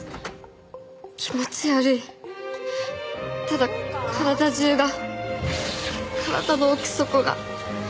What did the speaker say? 「気持ち悪いただ体中が体の奥底が」